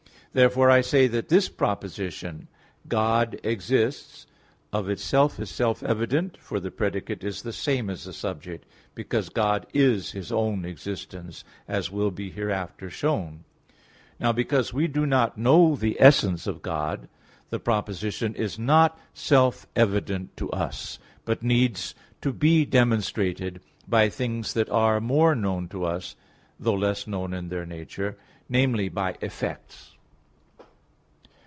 Therefore I say that this proposition, "God exists," of itself is self evident, for the predicate is the same as the subject, because God is His own existence as will be hereafter shown (Q. 3, Art. 4). Now because we do not know the essence of God, the proposition is not self evident to us; but needs to be demonstrated by things that are more known to us, though less known in their nature namely, by effects.